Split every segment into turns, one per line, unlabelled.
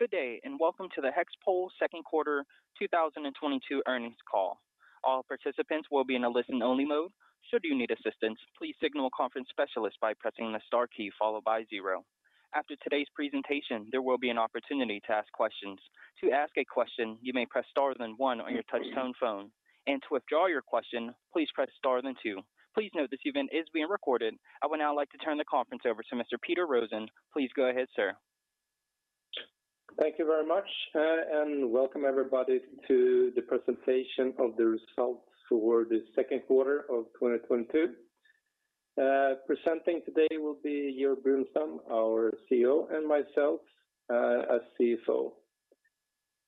Good day, and welcome to the HEXPOL second quarter 2022 earnings call. All participants will be in a listen-only mode. Should you need assistance, please signal a conference specialist by pressing the star key followed by zero. After today's presentation, there will be an opportunity to ask questions. To ask a question, you may press star then one on your touchtone phone. To withdraw your question, please press star then two. Please note this event is being recorded. I would now like to turn the conference over to Mr. Peter Rosén. Please go ahead, sir.
Thank you very much, and welcome everybody to the presentation of the results for the second quarter of 2022. Presenting today will be Georg Brunstam, our CEO, and myself, as CFO.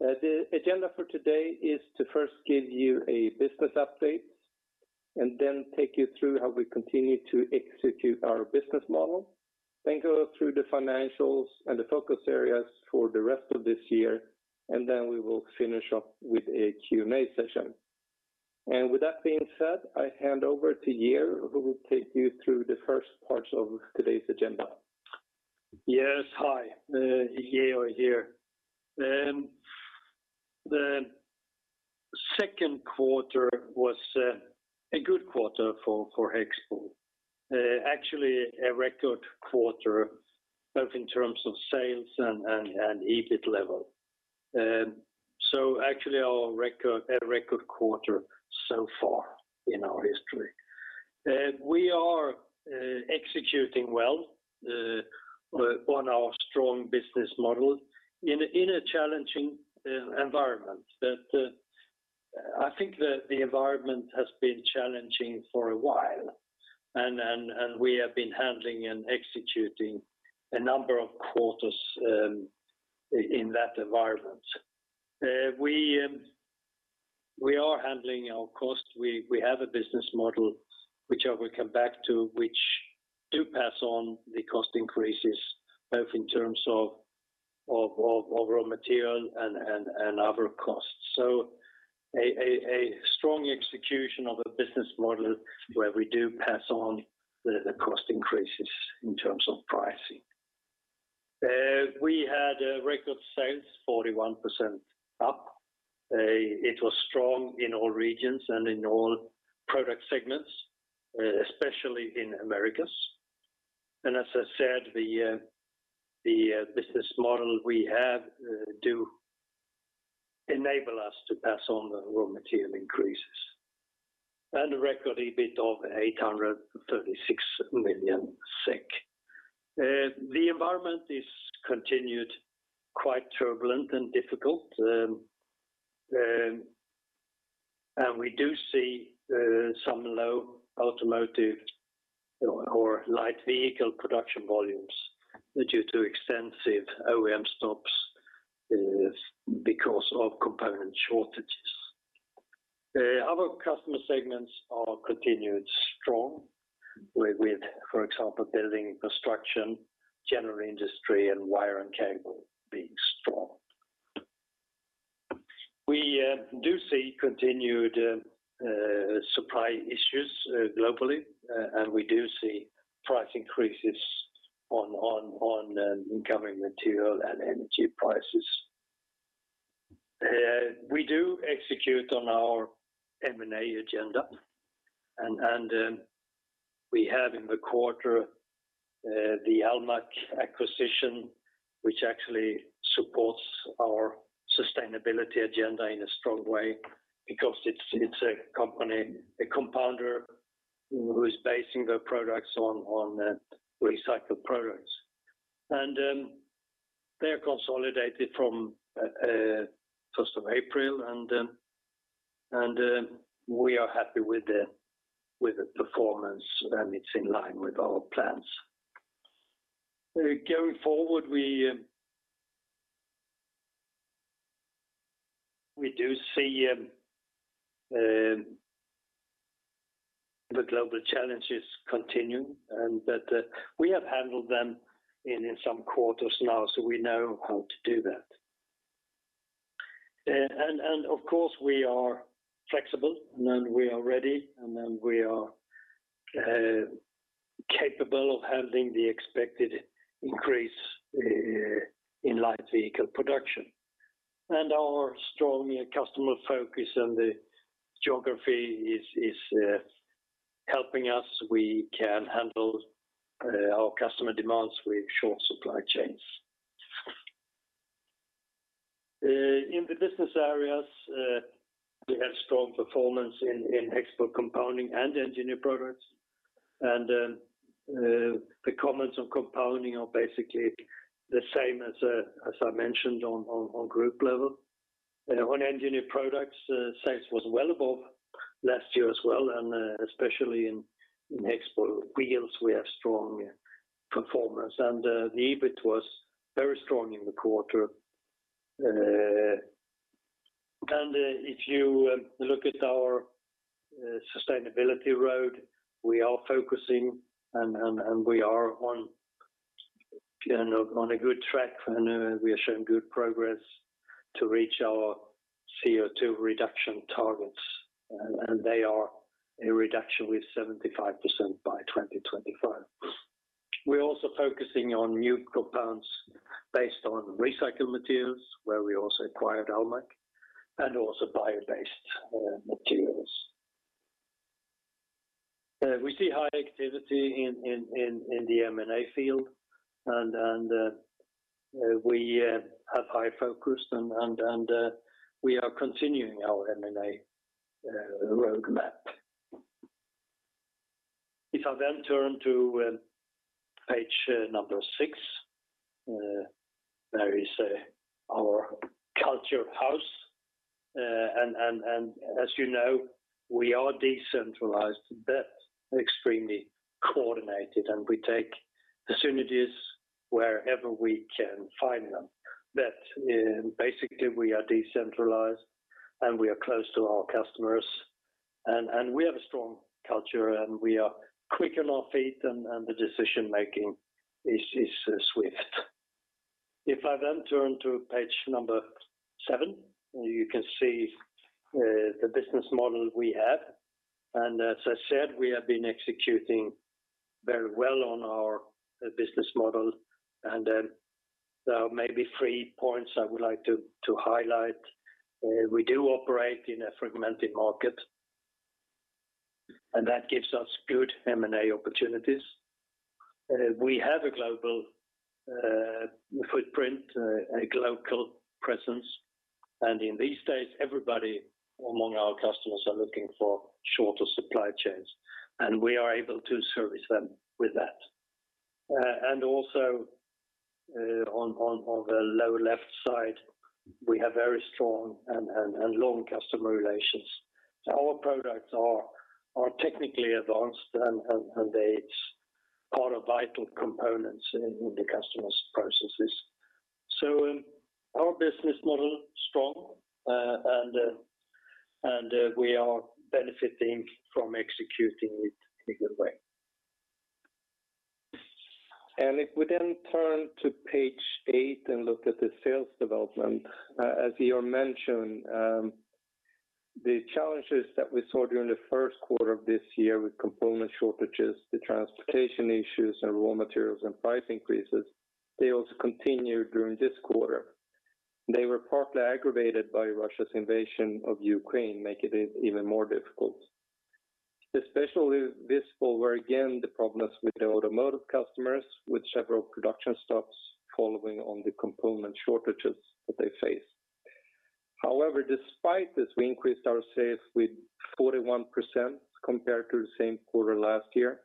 The agenda for today is to first give you a business update and then take you through how we continue to execute our business model. Go through the financials and the focus areas for the rest of this year, and then we will finish up with a Q&A session. With that being said, I hand over to Georg, who will take you through the first parts of today's agenda.
Yes. Hi. Georg here. The second quarter was a good quarter for HEXPOL. Actually, a record quarter both in terms of sales and EBIT level. Actually, a record quarter so far in our history. We are executing well on our strong business model in a challenging environment that I think the environment has been challenging for a while, and we have been handling and executing a number of quarters in that environment. We are handling our cost. We have a business model which I will come back to, which do pass on the cost increases both in terms of raw material and other costs. Strong execution of a business model where we do pass on the cost increases in terms of pricing. We had record sales 41% up. It was strong in all regions and in all product segments, especially in Americas. As I said, the business model we have does enable us to pass on the raw material increases. Record EBIT of 836 million SEK. The environment has continued quite turbulent and difficult, and we do see some low automotive or light vehicle production volumes due to extensive OEM stops because of component shortages. Other customer segments have continued strong with, for example, building construction, general industry, and wire and cable being strong. We do see continued supply issues globally, and we do see price increases on incoming material and energy prices. We do execute on our M&A agenda and we have in the quarter the Almaak acquisition, which actually supports our sustainability agenda in a strong way because it's a company, a compounder who is basing their products on recycled products. They are consolidated from first of April and we are happy with the performance and it's in line with our plans. Going forward, we do see the global challenges continue and that we have handled them in some quarters now, so we know how to do that. Of course, we are flexible and ready and capable of handling the expected increase in light vehicle production. Our strong customer focus and the geography is helping us. We can handle our customer demands with short supply chains. In the business areas, we have strong performance in HEXPOL Compounding and HEXPOL Engineered Products. The comments on compounding are basically the same as I mentioned on group level. On engineered products, sales was well above last year as well, and especially in HEXPOL Wheels, we have strong performance. The EBIT was very strong in the quarter. If you look at our sustainability roadmap, we are focusing and we are on a good track, and we are showing good progress to reach our CO2 reduction targets, and they are a reduction with 75% by 2025. We're also focusing on new compounds based on recycled materials, where we also acquired Almaak, and also bio-based materials. We see high activity in the M&A field, and we have high focus and we are continuing our M&A roadmap. If I turn to page 6, there is our culture house. As you know, we are decentralized, but extremely coordinated, and we take the synergies wherever we can find them. Basically, we are decentralized, and we are close to our customers, and we have a strong culture, and we are quick on our feet, and the decision-making is swift. If I then turn to page number seven, you can see the business model we have. As I said, we have been executing very well on our business model. There are maybe three points I would like to highlight. We do operate in a fragmented market, and that gives us good M&A opportunities. We have a global footprint, a global presence. In these days, everybody among our customers are looking for shorter supply chains, and we are able to service them with that. On the lower left side, we have very strong and long customer relations.
Our products are technically advanced and they are part of vital components in the customer's processes. Our business model is strong, and we are benefiting from executing it in a good way. If we then turn to page 8 and look at the sales development, as Georg mentioned, the challenges that we saw during the first quarter of this year with component shortages, the transportation issues, and raw materials and price increases, they also continued during this quarter. They were partly aggravated by Russia's invasion of Ukraine, making it even more difficult. Especially this quarter, again, the problems with the automotive customers, with several production stops following on the component shortages that they face. However, despite this, we increased our sales with 41% compared to the same quarter last year.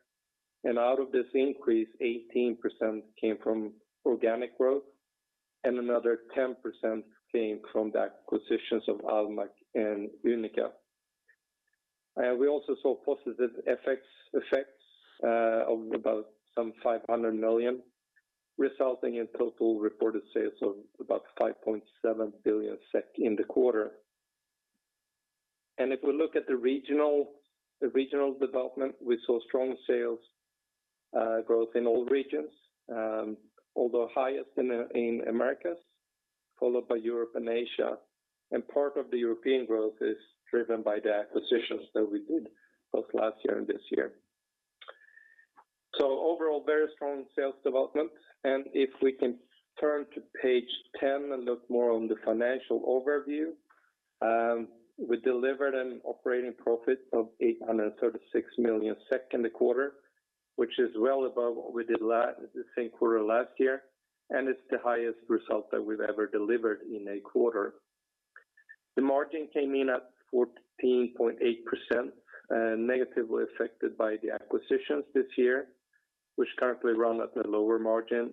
Out of this increase, 18% came from organic growth, and another 10% came from the acquisitions of almaak and Unica. We also saw positive effects of about 500 million, resulting in total reported sales of about 5.7 billion SEK in the quarter. If we look at the regional development, we saw strong sales growth in all regions, although highest in Americas, followed by Europe and Asia. Part of the European growth is driven by the acquisitions that we did both last year and this year. Overall, very strong sales development. If we can turn to page 10 and look more on the financial overview, we delivered an operating profit of 836 million SEK in the quarter, which is well above what we did the same quarter last year, and it's the highest result that we've ever delivered in a quarter. The margin came in at 14.8%, negatively affected by the acquisitions this year, which currently run at a lower margin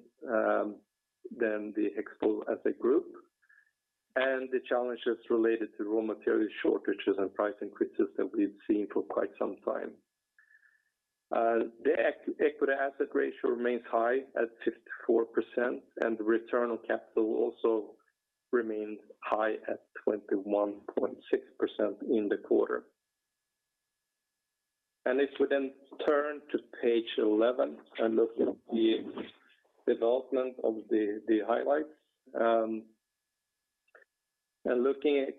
than the HEXPOL as a group, and the challenges related to raw material shortages and price increases that we've seen for quite some time. The equity asset ratio remains high at 54%, and return on capital also remains high at 21.6% in the quarter. If we then turn to page 11 and look at the development of the highlights, and looking at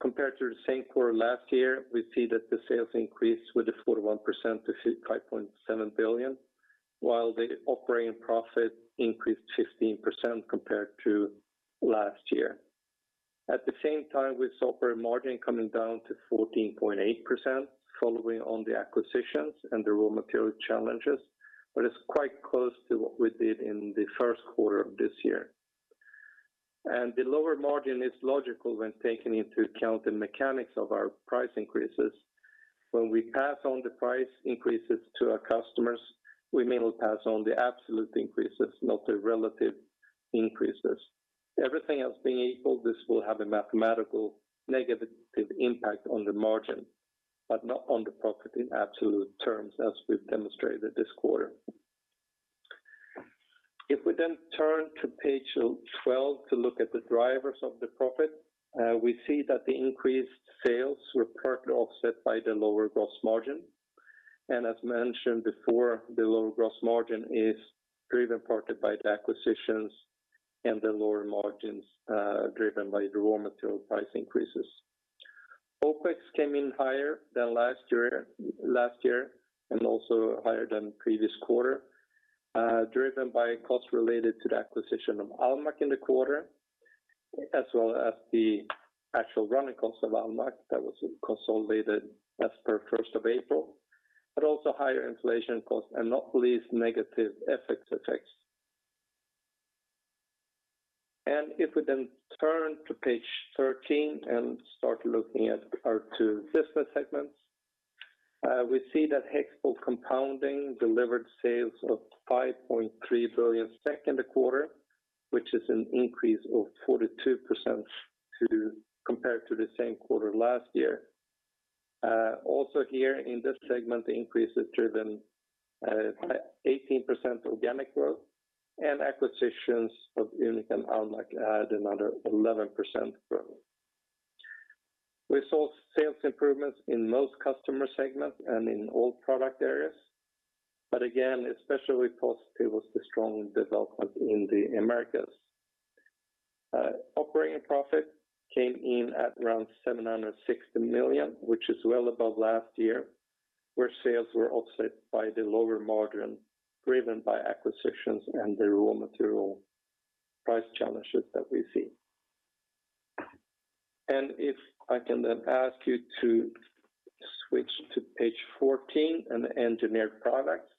compared to the same quarter last year, we see that the sales increased by 41% to 5.7 billion, while the operating profit increased by 15% compared to last year. At the same time, we saw operating margin coming down to 14.8% following on the acquisitions and the raw material challenges, but it's quite close to what we did in the first quarter of this year. The lower margin is logical when taking into account the mechanics of our price increases. When we pass on the price increases to our customers, we mainly pass on the absolute increases, not the relative increases. Everything else being equal, this will have a mathematical negative impact on the margin, but not on the profit in absolute terms, as we've demonstrated this quarter. If we then turn to page 12 to look at the drivers of the profit, we see that the increased sales were partly offset by the lower gross margin. As mentioned before, the lower gross margin is driven partly by the acquisitions and the lower margins, driven by the raw material price increases. OpEx came in higher than last year and also higher than previous quarter, driven by costs related to the acquisition of Almaak in the quarter, as well as the actual running costs of Almaak that was consolidated as per 1st of April, but also higher inflation costs and not least negative FX effects. If we then turn to page 13 and start looking at our two business segments, we see that HEXPOL Compounding delivered sales of 5.3 billion in the quarter, which is an increase of 42% compared to the same quarter last year. Also here in this segment, the increase is driven by 18% organic growth and acquisitions of Unica, almaak add another 11% growth. We saw sales improvements in most customer segments and in all product areas. Again, especially positive was the strong development in the Americas. Operating profit came in at around 760 million, which is well above last year, where sales were offset by the lower margin driven by acquisitions and the raw material price challenges that we see. If I can then ask you to switch to page 14 on the Engineered Products,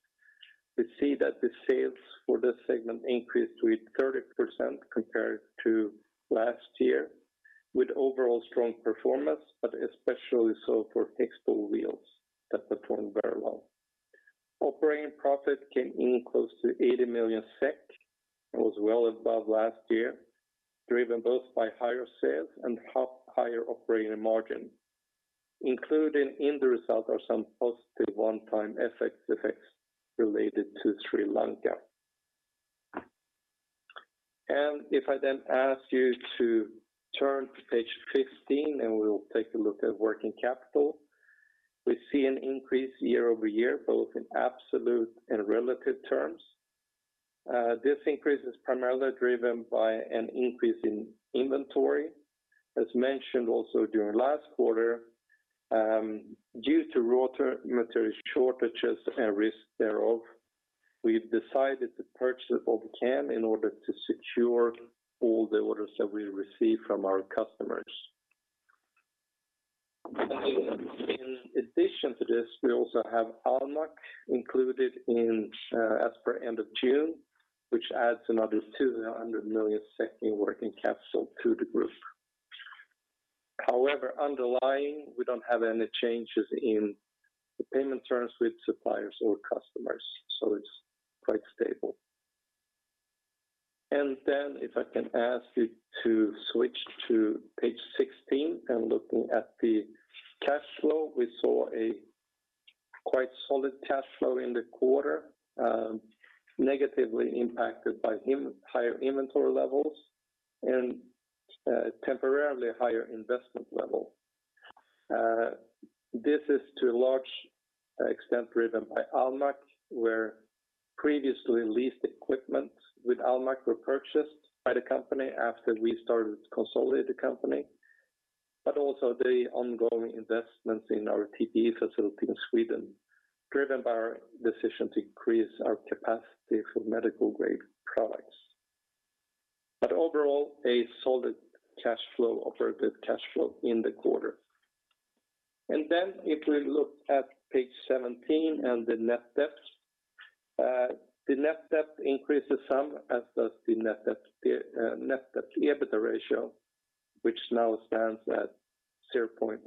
we see that the sales for this segment increased with 30% compared to last year with overall strong performance, but especially so for HEXPOL Wheels that performed very well. Operating profit came in close to 80 million SEK and was well above last year, driven both by higher sales and higher operating margin. Included in the result are some positive one-time FX effects related to Sri Lanka. If I then ask you to turn to page 15, and we'll take a look at working capital. We see an increase year-over-year, both in absolute and relative terms. This increase is primarily driven by an increase in inventory. As mentioned also during last quarter, due to raw material shortages and risk thereof, we've decided to purchase what we can in order to secure all the orders that we receive from our customers. In addition to this, we also have Almaak included in, as per end of June, which adds another 200 million in working capital to the group. However, underlying, we don't have any changes in the payment terms with suppliers or customers, so it's quite stable. Then if I can ask you to switch to page 16 and looking at the cash flow, we saw a quite solid cash flow in the quarter, negatively impacted by higher inventory levels and temporarily higher investment level. This is to a large extent driven by almaak, where previously leased equipment with almaak were purchased by the company after we started to consolidate the company, but also the ongoing investments in our TPE facility in Sweden, driven by our decision to increase our capacity for medical-grade products. Overall, a solid cash flow, operating cash flow in the quarter. If we look at page 17 and the net debt, the net debt increases some, as does the net debt to EBITDA ratio, which now stands at 0.89.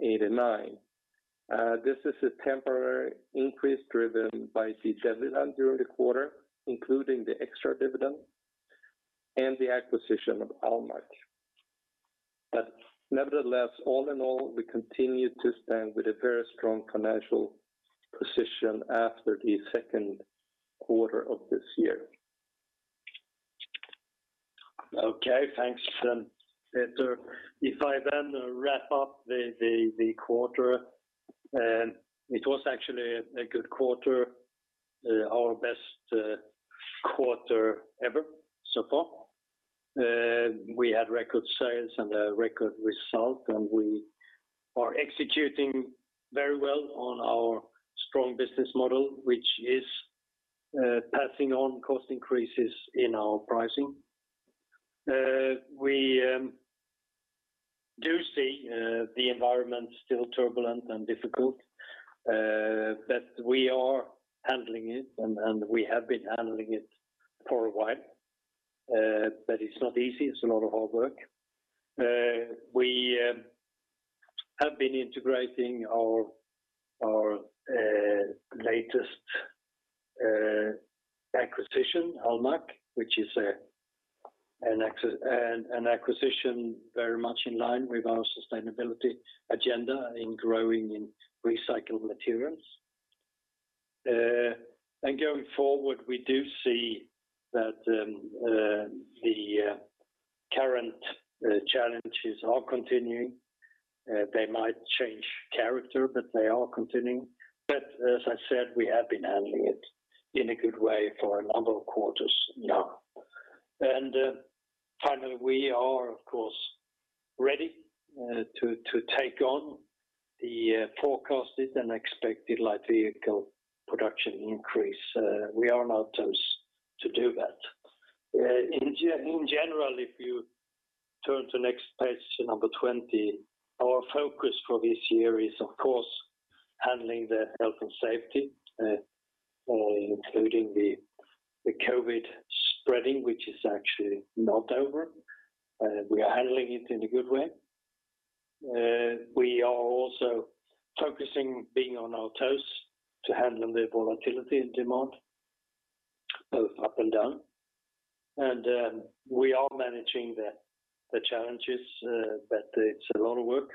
This is a temporary increase driven by the dividend during the quarter, including the extra dividend and the acquisition of almaak International GmbH. Nevertheless, all in all, we continue to stand with a very strong financial position after the second quarter of this year.
Okay, thanks, Peter. If I then wrap up the quarter, it was actually a good quarter, our best quarter ever so far. We had record sales and a record result, and we are executing very well on our strong business model, which is passing on cost increases in our pricing. We do see the environment still turbulent and difficult, but we are handling it, and we have been handling it for a while, but it's not easy. It's a lot of hard work. We have been integrating our latest acquisition, Almaak, which is an acquisition very much in line with our sustainability agenda in growing in recycled materials. Going forward, we do see that the current challenges are continuing. They might change character, but they are continuing. As I said, we have been handling it in a good way for a number of quarters now. Finally, we are of course ready to take on the forecasted and expected light vehicle production increase. We are now poised to do that. In general, if you turn to next page, to number 20, our focus for this year is of course handling the health and safety, including the COVID spreading, which is actually not over. We are handling it in a good way. We are also focusing on being on our toes to handle the volatility and demand both up and down. We are managing the challenges, but it's a lot of work.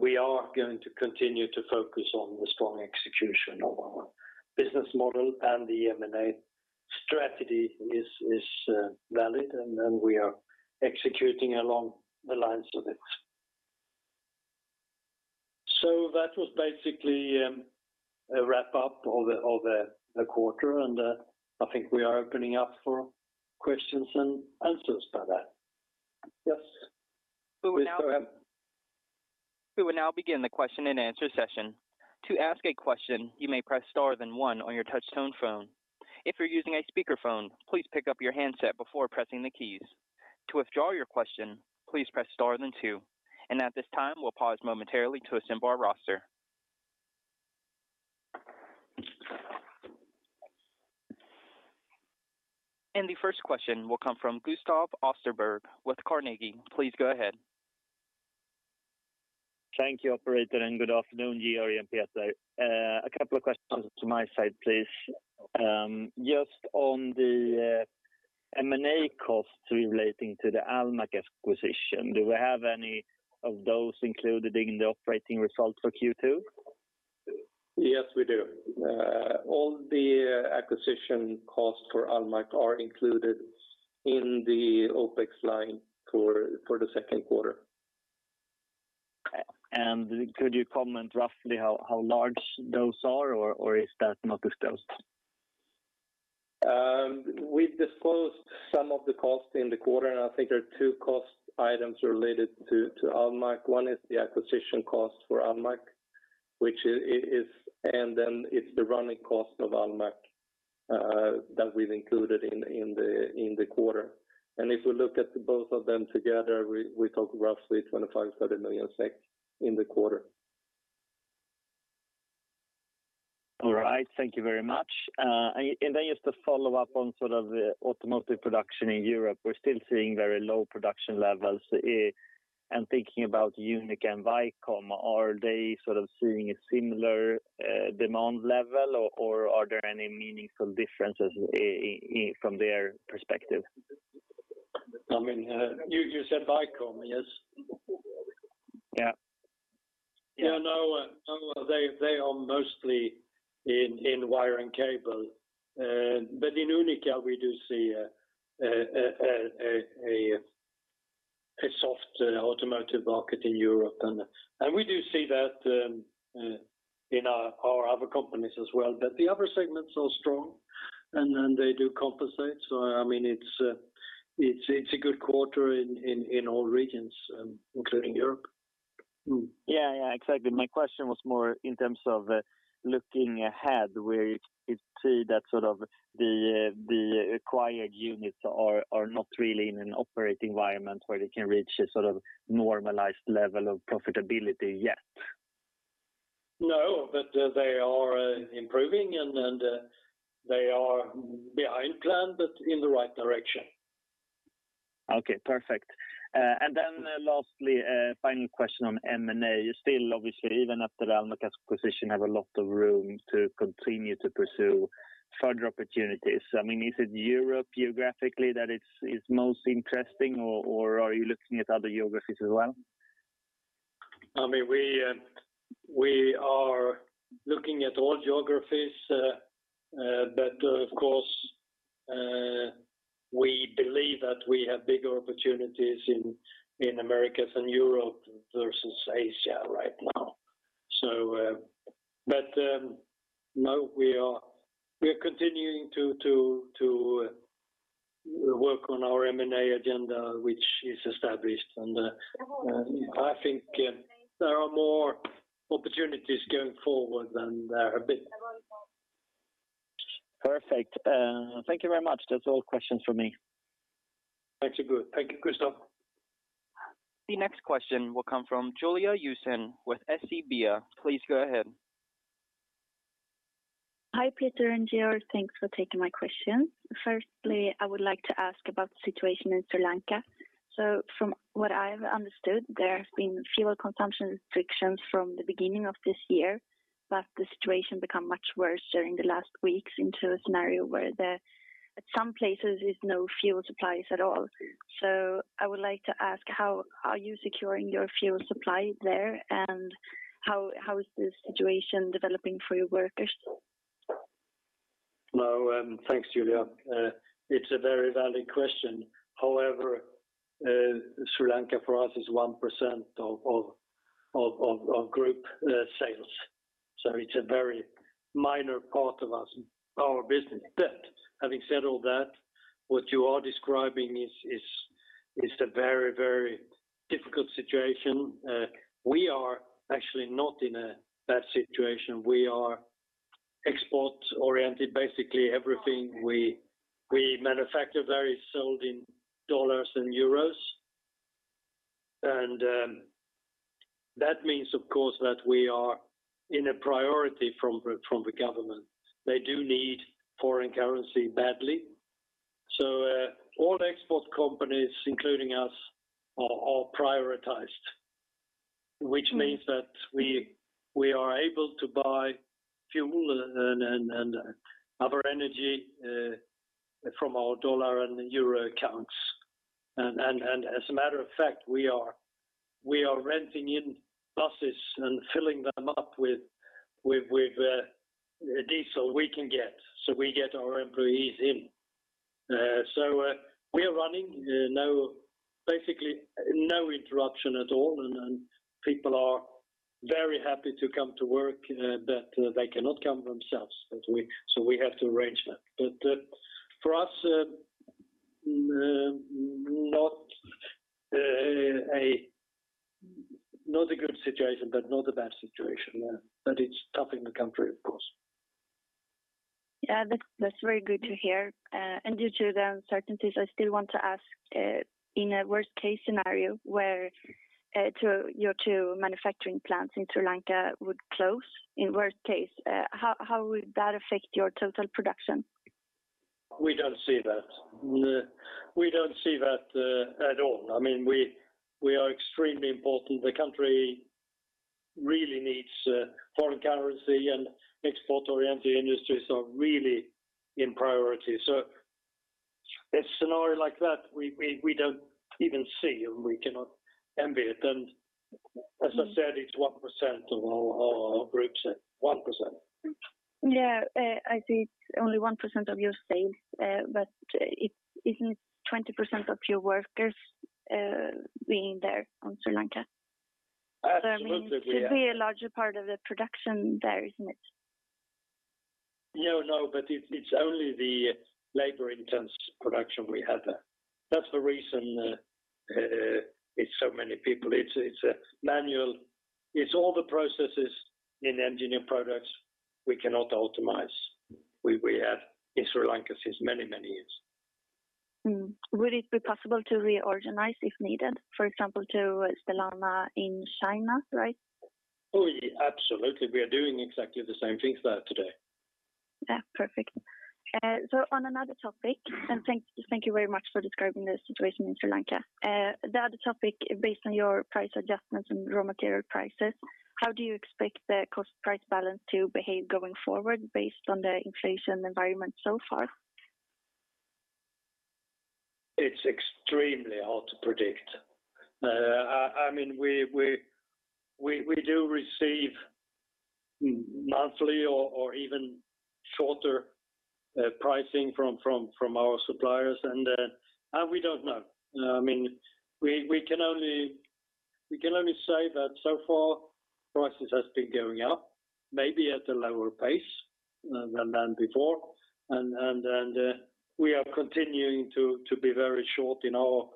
We are going to continue to focus on the strong execution of our business model, and the M&A strategy is valid, and then we are executing along the lines of it. That was basically a wrap up of the quarter, and I think we are opening up for questions and answers for that. Yes.
We will now.
Please go ahead.
We will now begin the question and answer session. To ask a question, you may press star then one on your touch tone phone. If you're using a speakerphone, please pick up your handset before pressing the keys. To withdraw your question, please press star then two. At this time, we'll pause momentarily to assemble our roster. The first question will come from Gustav Österberg with Carnegie. Please go ahead.
Thank you, operator, and good afternoon, Georg and Peter. A couple of questions from my side, please. Just on the M&A costs relating to the almaak acquisition, do we have any of those included in the operating results for Q2?
Yes, we do. All the acquisition costs for almaak are included in the OpEx line for the second quarter.
Could you comment roughly how large those are, or is that not disclosed?
We've disclosed some of the costs in the quarter, and I think there are two cost items related to almaak. One is the acquisition cost for almaak, which is, and then it's the running cost of almaak that we've included in the quarter. If we look at both of them together, we talk roughly 25-30 million SEK in the quarter.
All right. Thank you very much. Just to follow up on sort of the automotive production in Europe, we're still seeing very low production levels, and thinking about Unica and Vicom, are they sort of seeing a similar demand level or are there any meaningful differences in from their perspective?
I mean, you said Vicom, yes?
Yeah.
Yeah, no, they are mostly in wire and cable. In Unica, we do see a soft automotive market in Europe. We do see that in our other companies as well. The other segments are strong, and then they do compensate. I mean, it's a good quarter in all regions, including Europe.
Yeah, yeah, exactly. My question was more in terms of looking ahead, where you see that sort of the acquired units are not really in an operating environment where they can reach a sort of normalized level of profitability yet.
No, they are improving and then they are behind plan, but in the right direction.
Okay, perfect. Then lastly, final question on M&A. You still obviously, even after the Almaak acquisition, have a lot of room to continue to pursue further opportunities. I mean, is it Europe geographically that it is most interesting, or are you looking at other geographies as well?
I mean, we are looking at all geographies, but of course, we believe that we have bigger opportunities in Americas and Europe versus Asia right now. No, we are continuing to work on our M&A agenda, which is established. I think, there are more opportunities going forward than there have been.
Perfect. Thank you very much. That's all questions for me.
Actually good. Thank you, Gustav.
The next question will come from Joen Sundmark with SEB. Please go ahead.
Hi, Peter and Georg. Thanks for taking my question. Firstly, I would like to ask about the situation in Sri Lanka. From what I've understood, there have been fuel consumption restrictions from the beginning of this year, but the situation become much worse during the last weeks into a scenario where the, at some places, there's no fuel supplies at all. I would like to ask, how are you securing your fuel supply there, and how is the situation developing for your workers?
No. Thanks, Joen. It's a very valid question. However, Sri Lanka for us is 1% of group sales, so it's a very minor part of our business. Having said all that, what you are describing is a very difficult situation. We are actually not in a bad situation. We are export-oriented. Basically everything we manufacture there is sold in dollars and euros. That means, of course, that we are in a priority from the government. They do need foreign currency badly. All export companies, including us, are prioritized, which means that we are able to buy fuel and other energy from our dollar and euro accounts. As a matter of fact, we are renting in buses and filling them up with diesel we can get, so we get our employees in. We are running basically no interruption at all and people are very happy to come to work, but they cannot come themselves, so we have to arrange that. For us, not a good situation, but not a bad situation. Yeah. It's tough in the country, of course.
Yeah. That's very good to hear. Due to the uncertainties, I still want to ask, in a worst case scenario where your two manufacturing plants in Sri Lanka would close in worst case, how would that affect your total production?
We don't see that. We don't see that at all. I mean, we are extremely important. The country really needs foreign currency and export-oriented industries are really in priority. So a scenario like that, we don't even see and we cannot envy it. As I said, it's 1% of our group sale. 1%.
Yeah. I see it's only 1% of your sales, but it isn't 20% of your workers being there on Sri Lanka?
Absolutely, yeah.
I mean, it could be a larger part of the production there, isn't it?
No, no, it's only the labor-intensive production we have there. That's the reason it's so many people. It's all the processes in Engineered Products we cannot optimize. We have in Sri Lanka since many, many years.
Would it be possible to reorganize if needed, for example, to Stellana in China, right?
Oh, absolutely. We are doing exactly the same things there today.
Yeah. Perfect. On another topic, and thank you very much for describing the situation in Sri Lanka. The other topic, based on your price adjustments and raw material prices, how do you expect the cost price balance to behave going forward based on the inflation environment so far?
It's extremely hard to predict. I mean, we do receive monthly or even shorter pricing from our suppliers and we don't know. I mean, we can only say that so far prices has been going up maybe at a lower pace than before. We are continuing to be very short in our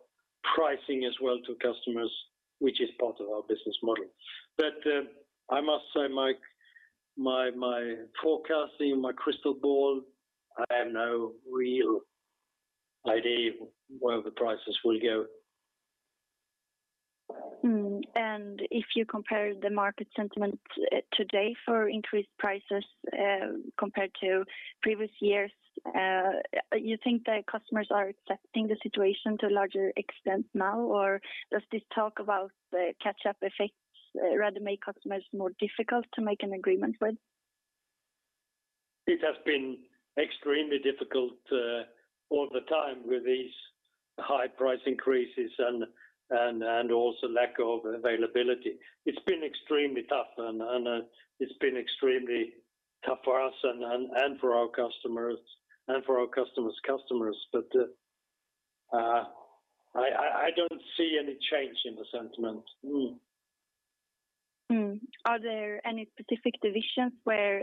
pricing as well to customers, which is part of our business model. I must say my forecasting, my crystal ball, I have no real idea where the prices will go.
If you compare the market sentiment today for increased prices, compared to previous years, you think the customers are accepting the situation to a larger extent now? Or does this talk about the catch up effects rather make customers more difficult to make an agreement with?
It has been extremely difficult all the time with these high price increases and also lack of availability. It's been extremely tough for us and for our customers and for our customers' customers. I don't see any change in the sentiment. No.
Are there any specific divisions where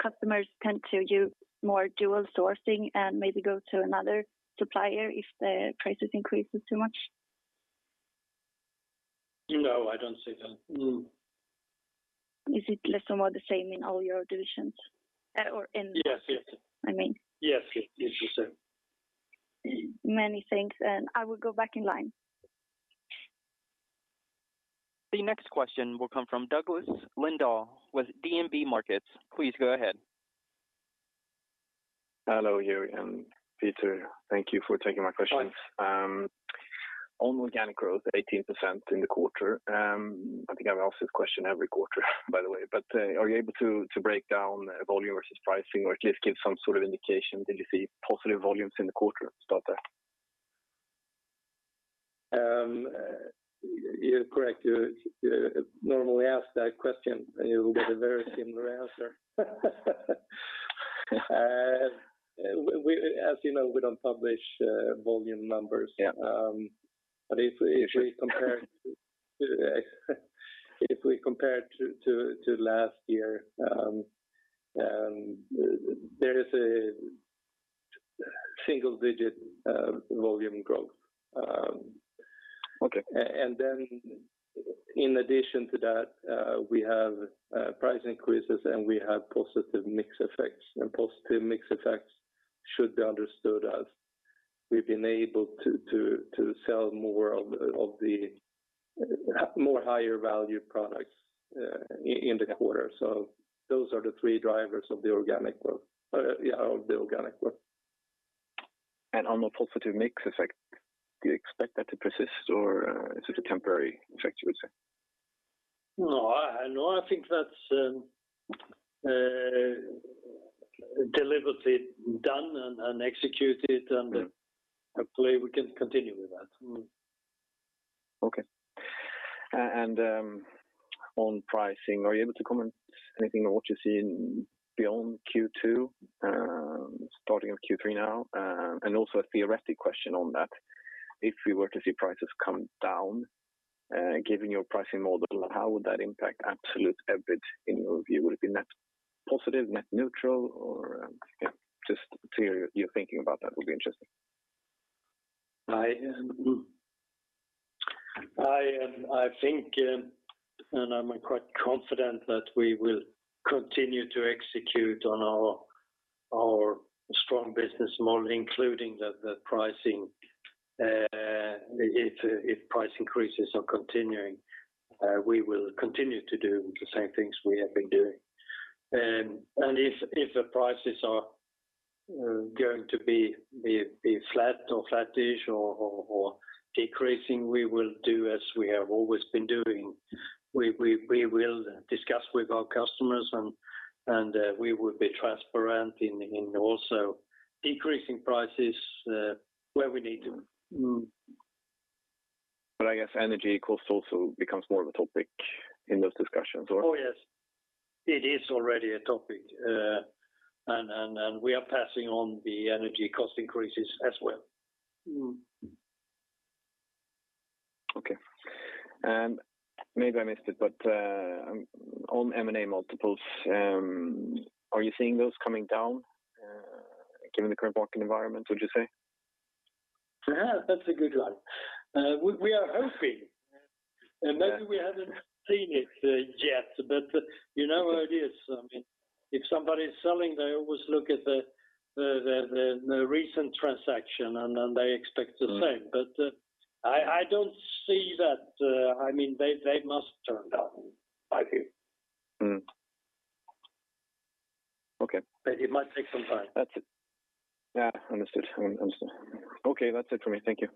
customers tend to do more dual sourcing and maybe go to another supplier if the prices increases too much?
No, I don't see that. No.
Is it less or more the same in all your divisions?
Yes. Yes.
I mean.
Yes. Yes. Yes. The same.
Many thanks, and I will go back in line.
The next question will come from Douglas Lindahl with DNB Markets. Please go ahead.
Hello, Georg and Peter. Thank you for taking my questions.
Hi.
On organic growth, 18% in the quarter, I think I've asked this question every quarter by the way, but are you able to break down volume versus pricing or at least give some sort of indication? Did you see positive volumes in the quarter to start there?
You're correct. You normally ask that question, and you will get a very similar answer. We, as you know, we don't publish volume numbers.
Yeah.
If we compare to last year, there is a single-digit volume growth.
Okay.
In addition to that, we have price increases, and we have positive mix effects. Positive mix effects should be understood as we've been able to sell more of the more higher value products in the quarter. Those are the three drivers of the organic growth.
On the positive mix effect, do you expect that to persist, or, is it a temporary effect, you would say?
No, I think that's deliberately done and executed, and hopefully we can continue with that.
Okay. On pricing, are you able to comment anything on what you see in beyond Q2, starting with Q3 now? Also a theoretical question on that. If we were to see prices come down, given your pricing model, how would that impact absolute EBITDA in your view? Would it be net positive, net neutral, or just to hear your thinking about that would be interesting.
I think I'm quite confident that we will continue to execute on our strong business model, including the pricing. If price increases are continuing, we will continue to do the same things we have been doing. If the prices are going to be flat or flattish or decreasing, we will do as we have always been doing. We will discuss with our customers, and we will be transparent in also decreasing prices, where we need to.
I guess energy cost also becomes more of a topic in those discussions or?
Oh, yes. It is already a topic. We are passing on the energy cost increases as well.
Okay. Maybe I missed it, but on M&A multiples, are you seeing those coming down, given the current market environment, would you say?
Yeah, that's a good one. We are hoping. Maybe we haven't seen it yet, but you know how it is. I mean, if somebody's selling, they always look at the recent transaction, and then they expect the same. I don't see that. I mean, they must turn down, I think.
Mm-hmm. Okay.
It might take some time.
That's it. Yeah, understood. Understood. Okay, that's it for me. Thank you.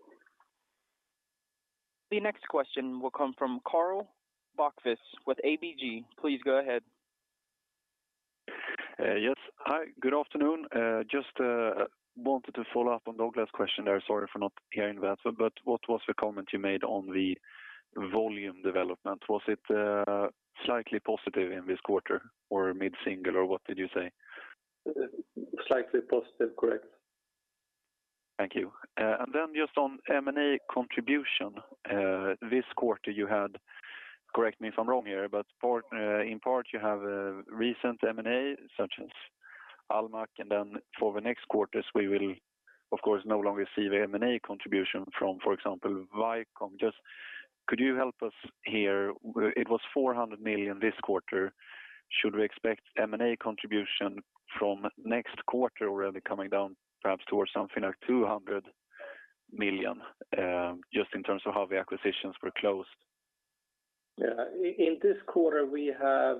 The next question will come from Karl Bokvist with ABG. Please go ahead.
Yes. Hi, good afternoon. Just wanted to follow up on Douglas' question there. Sorry for not hearing that. What was the comment you made on the volume development? Was it slightly positive in this quarter, or mid-single, or what did you say?
Slightly positive, correct.
Thank you. Just on M&A contribution, this quarter, you had, correct me if I'm wrong here, but in part, you have a recent M&A, such as Almaak. For the next quarters, we will of course no longer see the M&A contribution from, for example, Vicom. Just could you help us here? It was 400 million this quarter. Should we expect M&A contribution from next quarter already coming down perhaps towards something like 200 million, just in terms of how the acquisitions were closed?
Yeah. In this quarter, we have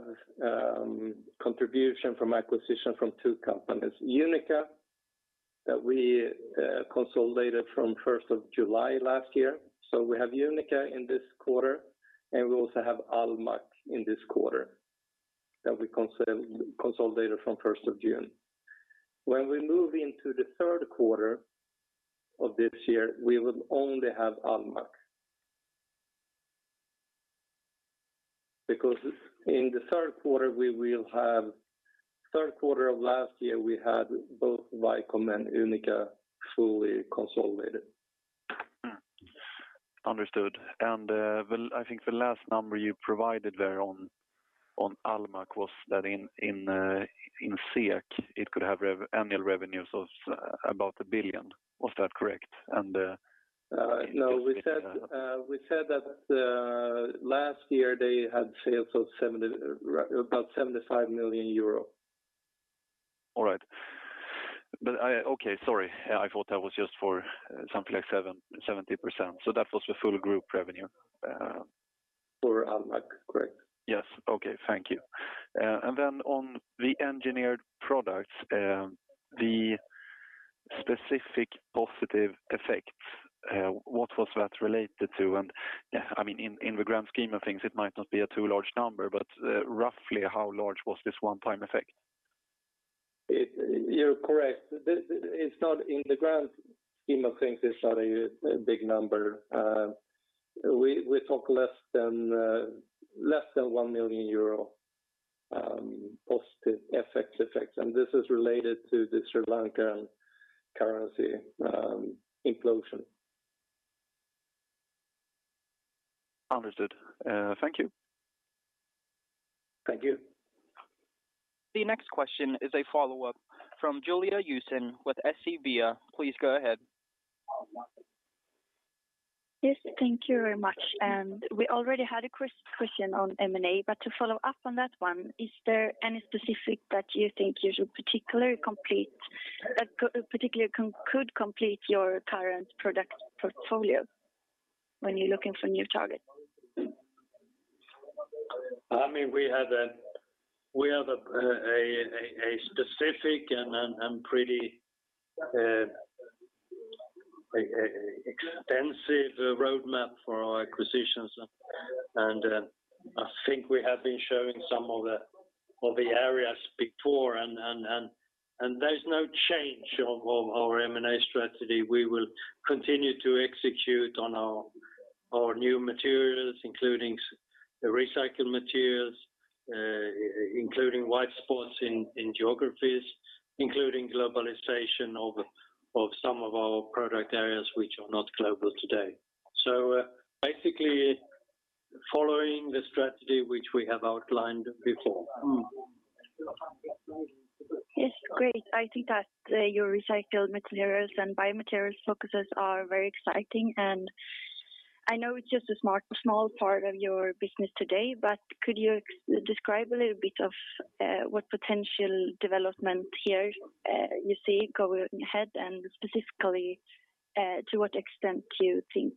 contribution from acquisition from two companies, Unica, that we consolidated from first of July last year. We have Unica in this quarter, and we also have Almaak in this quarter that we consolidated from first of June. When we move into the third quarter of this year, we will only have Almaak. In the third quarter of last year, we had both Vicom and Unica fully consolidated.
Understood. Well, I think the last number you provided there on Almaak was that in SEK, it could have annual revenues of about 1 billion. Was that correct?
No, we said that last year they had sales of about 75 million euro.
All right. I thought that was just for something like 77%. That was the full group revenue.
For Almaak, correct.
Yes. Okay, thank you. On the Engineered Products, the specific positive effects, what was that related to? I mean, in the grand scheme of things, it might not be too large a number, but roughly how large was this one-time effect?
You're correct. It's not in the grand scheme of things, it's not a big number. We talk less than 1 million euro positive FX effects, and this is related to the Sri Lankan currency implosion.
Understood. Thank you.
The next question is a follow-up from Joen Sundmark with SEB. Please go ahead.
Yes, thank you very much. We already had a question on M&A, but to follow up on that one, is there any specific that you think you should particularly complete that particular could complete your current product portfolio when you're looking for new targets?
I mean, we have a specific and pretty extensive roadmap for our acquisitions. I think we have been showing some of the areas before. There's no change of our M&A strategy. We will continue to execute on our new materials, including recycled materials, including white spots in geographies, including globalization of some of our product areas which are not global today. Basically, following the strategy which we have outlined before.
Yes. Great. I think that your recycled materials and biomaterials focuses are very exciting. I know it's just a smart, small part of your business today, but could you describe a little bit of what potential development here you see going ahead? Specifically, to what extent do you think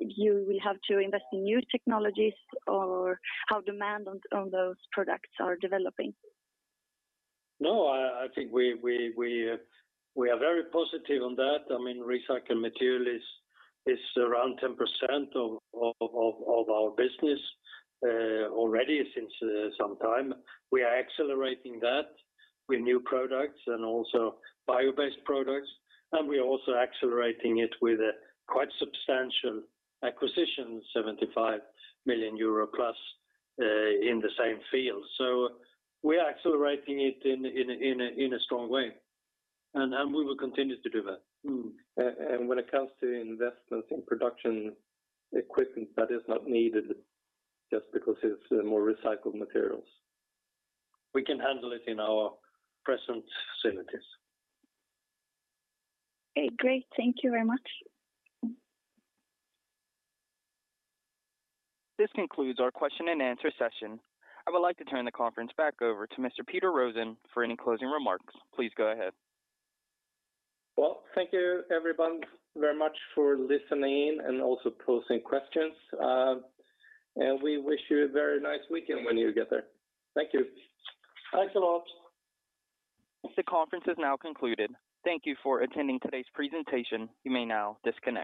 you will have to invest in new technologies or how demand on those products are developing?
No, I think we are very positive on that. I mean, recycled material is around 10% of our business already since some time. We are accelerating that with new products and also bio-based products, and we are also accelerating it with a quite substantial acquisition, 75 million euro plus, in the same field. So we are accelerating it in a strong way and we will continue to do that. When it comes to investments in production equipment, that is not needed just because it's more recycled materials. We can handle it in our present facilities.
Okay, great. Thank you very much.
This concludes our question and answer session. I would like to turn the conference back over to Mr. Peter Rosén for any closing remarks. Please go ahead.
Well, thank you everyone very much for listening and also posing questions. We wish you a very nice weekend when you get there. Thank you. Thanks a lot.
The conference is now concluded. Thank you for attending today's presentation. You may now disconnect.